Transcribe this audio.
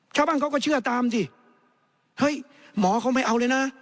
ชาวบ้านเขาก็เชื่อตามสิเฮ้ยหมอเขาไม่เอาเลยนะ